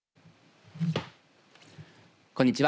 こんにちは。